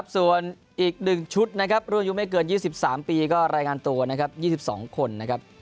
ส่วนอีกหนึ่งชุดนะครับร่วมยุคไม่เกิน๒๓ปีก็รายงานตัว๒๒คนนะครับ